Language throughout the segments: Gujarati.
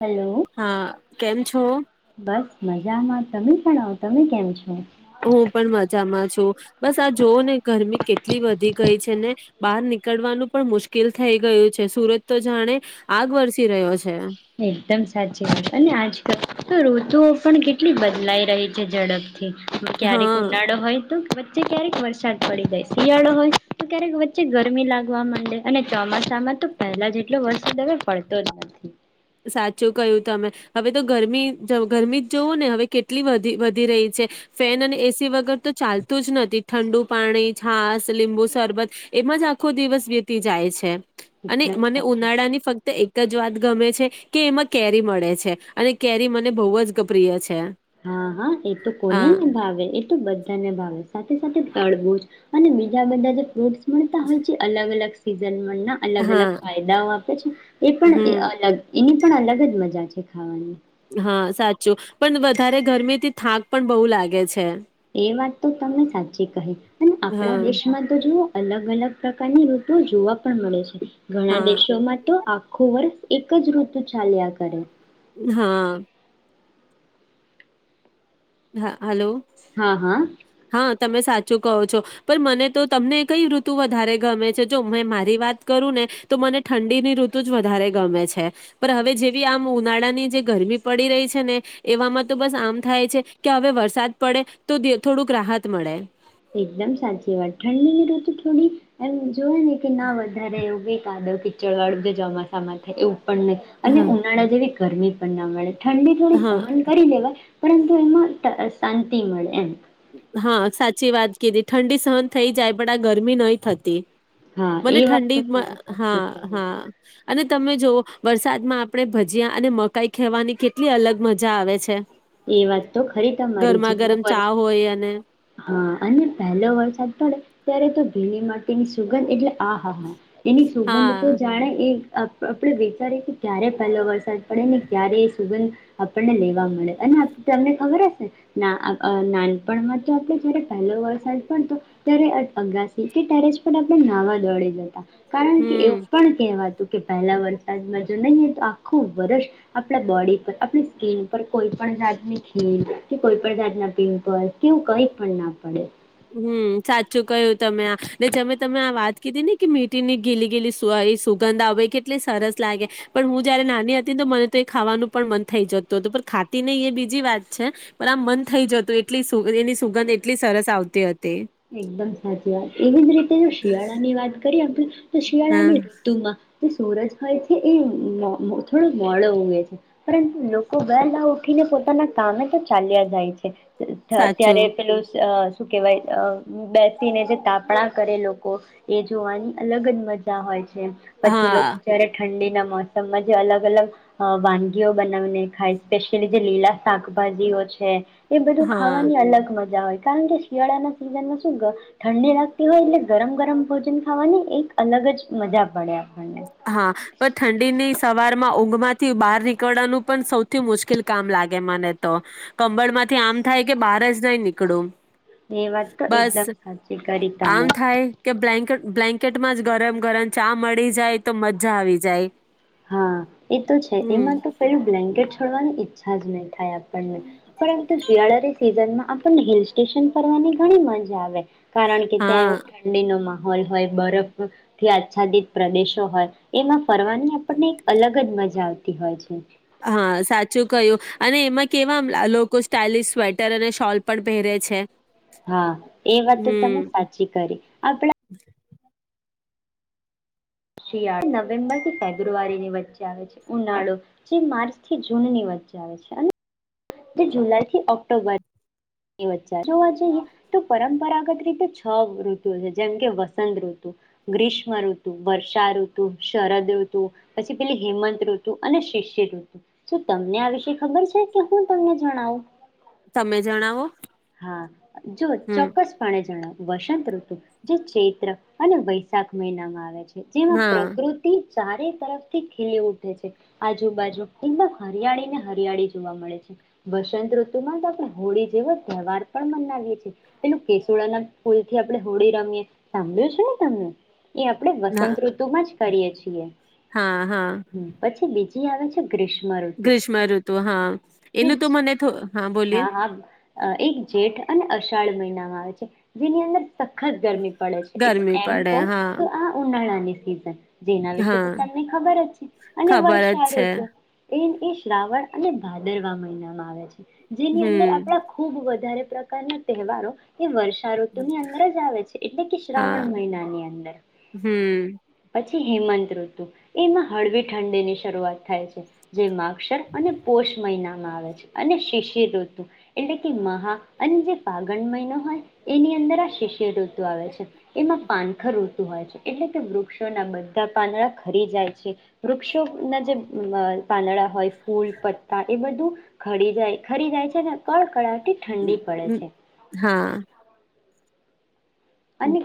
હેલો હા કેમ છો બસ મજામાં તમે જણાવો તમે કેમ છો હું પણ મજામાં છું, બસ આ જોવ ને ગરમી કેટલી વધી ગઈ છે, ને બહાર નીકળવાનું પણ મુશ્કેલ થઈ ગયું છે, સુરત તો જાણે આગ વરસી રહ્યો છે. એકદમ સાચી વાત અને આજકાલ તો ઋતુઓ પણ કેટલી બદલાઈ રહી છે ઝડપ ક્યારેક હા ઉનાળો હોય તો વચ્ચે ક્યારેક વરસાદ પડી જાય, શિયાળો હોય તો ક્યારેક વચ્ચે ગરમી લાગવા માંડે, અને ચોમાસામાં તો પહેલા જેટલો વરસાદ હવે પડતો જ નથી. સાચું કયું તમે. હવે તો ગરમી ગરમી જ જોવું ને હવે કેટલી વધી રહી છે. ફેન અને એસી વગર તો ચાલતું જ નથી. ઠંડુ પાણી છાસ લીંબુ શરબત એમાં જ આખો દિવસ વીતી જાય છે. અને એકદમ મને સાચી વાત ઉનાળાની ફક્ત એક જ વાત ગમે છે. કે એમાં કેરી મળે છે, અને કેરી મને બહુ જ પ્રિય છે. હા હા એ તો કોને હા ની ભાવે એ તો બધાને ભાવે સાથે સાથે તડબુજ અને બીજા બધા જે ફ્રૂડ મતા હોય જે અલગ અલગ ફીજન મન અલગ હા અલગ ફાયદાઓ આપે છે. એ પણ એ હમ અલગ એની પણ અલગ જ મજા છે. કે ખવાની હા સાચું પણ વધારે ગરમીથી થાક પણ બહુ લાગે છે એ વાત તો તમે સાચી કહી અને આપણા હા દેશમાં તો જોવો અલગ અલગ પ્રકારની ઋતુ જોવા પણ મળે છે ઘણા હા દેશોમાં તો આખું વર એકજ ઋતુ ચાલ્યા કરે હા. હા હલો હા, હા. ચૂ કહો છો પર મને તો તમને કઈ ઋતુ વધારે ગમે છે. જો મેં મારી વાત કરું ને તો મને ઠંડીની ઋતુ જ વધારે ગમે છે. પર હવે જેવી આમ ઉનાળા ની જે ગરમી પડી રહી છેને એવામાં તો બસ આમ થાય છે. કે હવે વરસાદ પડે તો [unintelligible] થોડુંક રાહત મળે. એકદમ સાચી વાત ઠંડી ની ઋતુ થોડી એમ્મ જોવો ને કે ના વધારે એવું બી કાદકીક [unintelligible] ચોમાસામાં થાય એવું. પણ ને હા, ઉનાળા જેવી ગરમી પણ ના મળે. ઠંડી થોડીક હા, સહન કરી લેવાય પરંતુ એમાં ત શાંતિ મળે એમ હા સાચી વાત કીધી ઠંડી સહન થઈ જાય, પણ આ ગરમી નય થતી. હા મને એ વાત તો ઠંડીમાં, તમે હા સાચી કરી હા અને તમે જોવો વરસાદમાં આપણે ભજીયા અને મકાઈ ખેવાની કેટલી અલગ મજા આવે છે. એ વાત તો ખરી તમારી ગરમા જીગુ ગરમ પર ચા હોય અને હા અને પહેલો વરસાદ પડે ત્યારે તો ભીલી માટીની સુગંધ એટલે આહાહા એની સુગંધ તો હા જાણે એક આપ આપણે વિચારીએ કે ક્યારે પેલો વરસાદ પડે ને ક્યારે સુગંધ આપણને લેવા મળે. એના તમને ખબર હશે ના અ અ નાનપણમાં તો આપણે જ્યારે પેલો વરસાદ પડતો ત્યારે અગાસી કે ટેરેસ પર આપણે નાહવા દોડી જતા. કારણકે એવું હમ પણ કહેવાતું કે પહેલા વરસાદમાં જો નહીં તો આખું વર્ષ આપણા બોડી પર આપણી સ્કીન પર કોઈ પણ જાતની ખીલ કે કોઈ પણ જાતના પીંપલ કેવું કઈ પણ ના પડે. હમ, સાચું કયું તમે આ જેમે તમે આ વાત કીધી ને કે મીઠીની ઘીલી ગીલી સ સુગંધા આવેય કેટલી સરસ લાગે, પણ હું જયારે નાની હતી તો મને તો એ ખાવાનું પણ મન થઈ જતું હતું, પણ ખાતી નહીં એ બીજી વાત છે પણ આ મન થઈ જતું એટલી [unintelligible] સુગંધ એટલી સરસ આવતી. હતી એકદમ સાચી વાત એવી જ રીતે જો શિયાળા ની વાત કરીએ શિયાળા હા ની ઋતુમાં જે સૂરજ હોય છે એ થોડો મોડો ઉવે છે પરંતુ લોકો વેલા ઉઠીને પોતાના કામે તો ચાલ્યા જાય છે. ત્યારે સાચું પેલું અ શું કેવાય? અ બેસીને જે તાપણા કરે લોકો એ જોવાની અલગ જ મજા હોય છે. પછી લોકો હા જયારે ઠંડી ના મોસમમાં જે અલગ અલગ વાનગીઓ બનાવીને ખાય સ્પેશિયલી જે લીલા શાકભાજીઓ છે. એ બધું હા ખાવાની અલગ મજા હોય. કારણ કે શિયાળાના [unintelligible] શું ગ ઠંડી લાગતી હોય એટલે ગરમ ગરમ ભોજન ખાવાની એક અલગ જ મજા પડે એમ. હા પણ ઠંડીની સવારમાં ઊંઘમાં થી બાર નીકળવાનું પણ સૌથી મુશ્કેલ કામ લાગે મને તો કંબળ માંથી આમ થાય કે બાર જ નહી નીકળું. એ વાત તો બસ એકદમ સાચી કરી તમે આમ થાય કે બ્લેન્કેટ બ્લેન્કેટમાં જ ગરમ ગરમ ચા મળી જાય તો મજા આવી જાય. હા એ તો છે હમ. એમાં તો પેલું બ્લેન્કેટ છોડવાની ઇચ્છા જ નય થાય આપણને પરંતુ શિયાળાની સિઝનમાં આપણને હિલ સ્ટેશન ફરવાની ઘણી મજા આવે. કારણ કે ત્યાં એવ હા ઠંડીનો મા હોલ હોય બરફથી આચ્છાદિત પ્રદેશો હોય એમાં ફરવાની આપને એક અલગ જ મ જા આવતી હોય છે. હા સાચું કયું અને એમાં કેવા લોકો સ્ટાઇલિશ સ્વેટર અને શોલ પણ પહેરે છે. હા એ વાત તો તમે હમ સાચી કરી આપણા શિયાળા નવેમ્બર થી ફેબ્રુઆરીની વચ્ચે આવે છે ઉનાળો જે માર્ચ થી જૂન ની વચ્ચે આવે છે અને જે જુલાઈથી ઓક્ટોબર એ વચ્ચે જોવા‌ જઈએ તો પરંપરાગત રીતે છ ઋતુ છે જેમ કે વસંત ઋતુ ગ્રીષ્મ ઋતુ વર્ષાઋતુ શરદ ઋતુ પછી પેલી હેમંત ઋતુ અને શિશિર ઋતુ શુ તમને આ વિષે ખબર છે. કે હું તમને જણાવું? તમે જણાવો. હા જો હમ ચોક્કસ પાણે જણાવ વસંતઋતુ જે ચૈત્ર અને વૈશાખ મહિનામાં આવે છે. જેમાં હા પ્રકૃતિ ચારે તરફથી ખીલી ઉઠે છે, આજુબાજુ એકદમ હરિયાળી ને હરિયાળી જોવા મળે છે, વસંત ઋતુમાં તો આપણે હોળી જેવ તહેવાર પણ મનાવીએ છીએ પેલું કેસુડાના ફૂલ થી આપણે હોળી રમીએ સાંભળ્યું છે, ને તમને. કે આપણે હા વસંત ઋતુમાં જ કરીએ છીએ. હા હા. જે આવે છે ગ્રીષ્મ ઋતુ ગ્રીષ્મ ઋતુ હા જે એનું તો મને થો હા બોલીએ હા હ અ એક જેઠ અને અષાઢ મહિનામાં આવે છે, જેની અંદર સખત ગરમી પડે છે, એટલે ગરમી એમ પડે કહ હા તો આ ઉનાળા જાય. જેના વિશે તો હા તમને ખબર જ છે, અને ખબર જ વર્ષા છે ઋતુ એ એ શ્રાવણ અને ભાદરવા મહિનામાં આવે છે. જેની અંદર હમ આપડા ખુબ વધારે પ્રકારના તહેવારો એ વર્ષ ઋતુ ની અંદર જ આવે છે, એટલે કે શ્રાવણ હા મહિના ની અંદર હમ પછી હેમંત ઋતુ એમાં હળવી ઠંડી ની શરૂઆત થાય છે, જે મા અક્ષર અને પોષ મહિનામાં આવે છે, અને શિષ શ ઋતુ એટલે કે મહા અને જે ફાગણ મહિનો હોય એની અંદર આ શિષ્યર ઋતુ આવે છે, એમાં પાનખર ઋતુ હોય છે, એટલે કે વૃક્ષોના બધા પાંદડા ખરી જાય છે, વૃક્ષોના જે પાંદડા હોય ફૂલ પત્તા એ બધું ખરી જાય ખરી જાય છે, ને કર કળાટી ઠંડી પડે છે. હા અને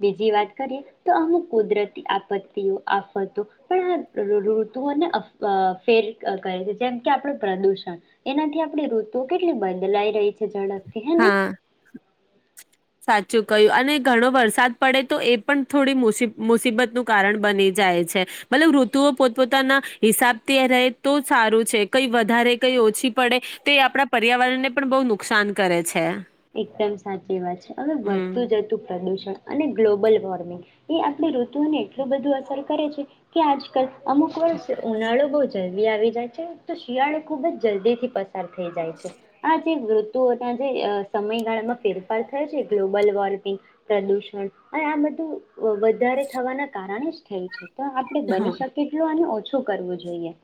બીજી વાત કરીએ, તો અમુક કુદરતી આપત્તિઓ, આફતો પણ આ ઋતુઓને અ ફેર કર છે, જેમ કે આપડ પ્રદુષણ એનાથી આપણે ઋતુ કેટલી બદલાઈ રહી છે ઝરબતી હે ને. હા સાચું કહ્યું અને ઘણો વરસાદ પડે તો એ પણ થોડી મુ મુસીબત નું કારણ બની જાય છે, મતલબ ઋતુઓ પોતપોતાના હિસાબથી રહે તો સારું છે, કઈ વધારે, કઈ ઓછી પડે, તે આપડા પર્યાવરણને પણ બહુ નુકસાન કરે છે. એકદમ સાચી ચી વાત છે, હવે હમ વધતું જતું પ્રદુષણ અને ગ્લોબલ વોર્મિંગ એ આપણી ઋતુઓને એટલું બધું અસર કરે છે, કે આજકલ અમુક વર્ષ ઉનાળુ બોજ જલ્દી આવી જાય છે, તો શિયાળ ખુબજ જલ્દીથી પસાર થઈ જાય છે, આ જે ઋતુઓ ત્યાં જે સમયગાળામાં ફેરફાર થાય છે, ગ્લોબલ વોર્મિંગ, પ્રદુષણ અને આ બધું વધારે થવાના કારણે જ થેન્ક યુ. તો આપડે હા બની શકે એટલું અને શું કરવું જોઈએ?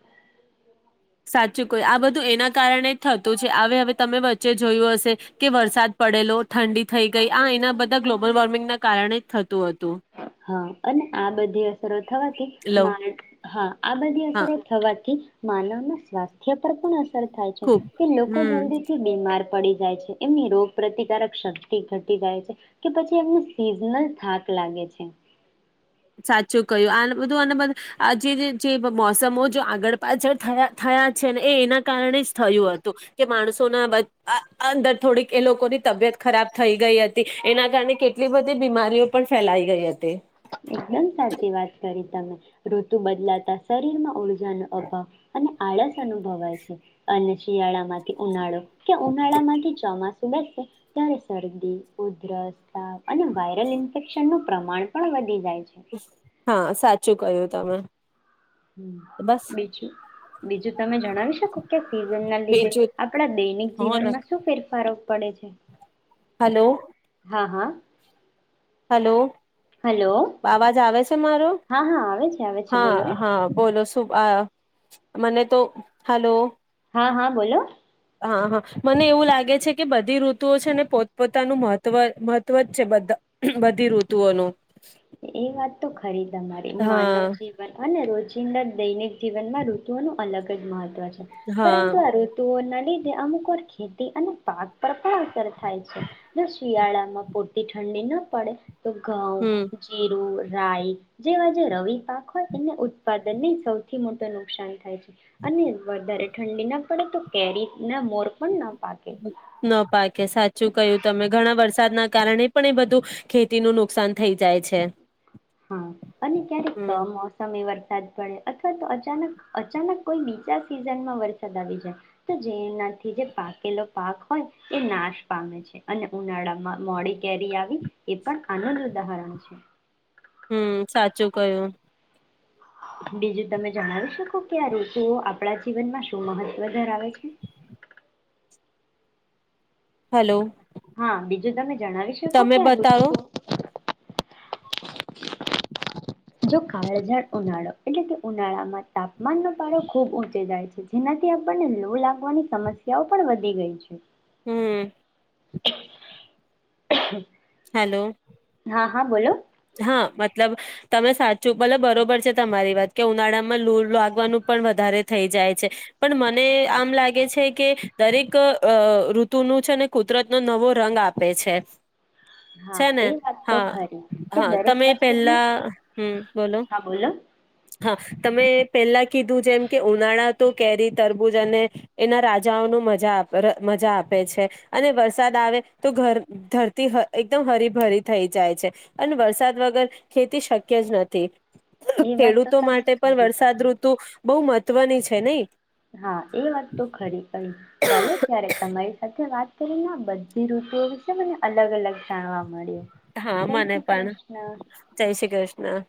સાચું કોઈ, આ બધું એના કારણે જ થતું છે હવે હવે તમે વચ્ચે જોયું હશે કે વરસાદ પડેલો ઠંડી થઈ ગઈ આ એના બધાં ગ્લોબલ વોર્મિંગના કારણે જ થતું હતું. હ અને આ બધી અસરો થવાથી લો [unintelligible] હા, આ બધી હા અસરો થવાથી માનવનું સ્વાસ્થ્ય પર પણ થાય છે ખુબ કે લોકો હમ જલ્દી થી બીમાર પડી જાય છે એમની રોગ પ્રતિકારક શક્તિ ઘટી જાય છે કે પછી એમને સિઝનલ થાક લાગે છે. સાચું કહ્યું, આ બધું [unintelligible] મોસમો જે આગળ પાછળ થયા થયા છે ને એ એના કારણે જ થયું હતું કે માણસોના અંદર થોડીક એ લોકોની તબિયત ખરાબ થઈ ગઈ હતી એના કારણે કેટલી બધી બીમારીઓ પણ ફેલાઈ ગઈ હતી. એકદમ સાચી વાત કરી તમે ઋતુ બદલાતા શરીર માં ઓલ [unintelligible] અને આળસ અનુભવાય છે અને શિયાળામાંથી ઉનાળો કે ઉનાળામાંથી ચોમા સુઘરશે ત્યારે શરદી, ઉધરસ, તાવ અને વાયરલ ઇન્ફેક્શનનું પ્રમાણ પણ [unintelligible] હા, સાચું ક્હ્યું. તમે હમ, બસ બીજું બીજું તમે જણાવી શકો? કે સિઝન ના લીધે બીજું આપણા દૈનિક હા રખ જીવનમાં શું ફેરફારો પડે છે. હલો. હા હા. હલો. હલો આવાજ આવે છે મારો? હા હા આવે છે આવે છે હા, બોલો હા બોલો અ મને તો હલો. હા હા બોલો. હા હા મને એવું લાગે છે કે બધી ઋતુઓ છે ને પોતપોતાનું મહત્વ મહત્વ જ છે બધી ઋતુઓનું. એ વાત તો ખરી તમારી માનવ હા જીવન અને રોજ [inaudible] દૈનિક જીવનમાં ઋતુઓનું અલગ મહત્વ છે, પરંતુ હા આ ઋતુઓના [unintelligible] અમુક વાર ખેતી અને પાક પર પણ અસર થાય છે. જો શિયાળામાં પૂરતી ઠંડી ના પડે તો હમ ઘવ મીરું રાય જેવા જે રવિ પાક હોય એને ઉત્પાદનને સૌથી મોટું નુકસાન થાય છે અને વધારે ઠંડી ના પડે તો કેરી ના મોર પણ ના પાકે ન પાકે સાચ શું કહ્યું તમે ઘણા વરસાદના કારણે પણ એ બધું ખેતી ન નુકસાન થઈ જાય છે. હા અને ક્યારેક હમ મોસમી વતન વરસાદ પડે અથવા તો અચાનક અચાનક કોઈ બીજા સિઝનમાં વરસાદ આવી જાય તો જેનાથી જે પાકેલો પાક હોય એ નાશ પામે છે અને ઉનાળામાં મોડી કેરી આવી એ પણ આનંદ ઉદાહરણ છે. હમ સાચું કયું. બીજું તમે જણાવી શકો કે આ ઋતુઓ આપણા જીવનમાં શું મહત્વ ધરાવે છે. હલો. હા બીજું તમે જણાવી શકો કારું. બતાવો જો કાળઝળ ઉનાળો એટલે કે ઉનાળામાં તાપમાનનો પારો ખુબ ઊંચે જાય છે જેનાથી આપણને લો લાગવાની સમસ્યાઓ પણ વધી ગઈ છે. હમ. [inaudible] હલો. હા હા બોલો. હા મતલબ તમે સાચું ભલે બરોબર છે તમારી વાત કે ઉનાળામાં લૂર લાગવાનું પણ વધારે થઈ જાય છે પણ મને આમ લાગે છે કે દરેક ઋતુનું છે ને કુદરતનો નવો રંગ આપે છે. હા છે ને એ વાત તો હા ખરી. કે હા દરેક તમે વસ્તુનું પેલા હમ બોલો હા બોલો હા તમે. પેલા કીધું જેમ કે ઉનાળા તો કેરી તરબૂજ અને એના રાજાઓનું મજા મજા આપે છે અને વરસાદ આવે તોર ધરતી એકદમ હરી ભરી થઈ જાય છે. અને વરસાદ વગર ખેતી શક્ય જ નથી. એ વાત તો ખેડૂતો તમે માટે પણ ખરી વરસાદ કહી ઋતુ બહુ મ ધ્વની છે નય. હા એ વાત તો ખરી કહિ ચાલો ત્યારે તમારી સાથે વાત કરીણ બધી રુતુઓ વિશે મને અલગ અલગ જાણવા મળ્યું. હા જય મને શ્રી પણ કૃષ્ણ જય શ્રી કૃષ્ણ.